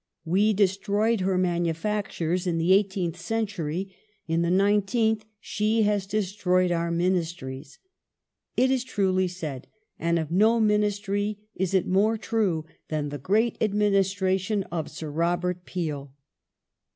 ' We de stroyed her manufactures in the eighteenth century ; in the nine teenth she has destroyed our Ministries." It is truly said, and of no Ministry is it more true than the great administra tion of Sir Robert Peel.